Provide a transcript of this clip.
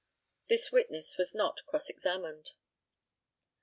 This witness was not cross examined.